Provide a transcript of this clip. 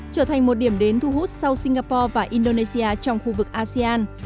trở thành một điểm đến thu hút sau singapore và indonesia trong khu vực asean